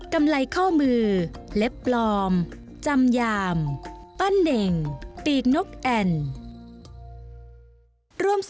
กำไรข้อมือเล็บปลอมจำยาม